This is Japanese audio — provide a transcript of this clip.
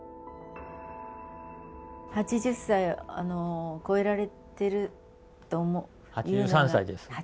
８０歳超えられてるというのが。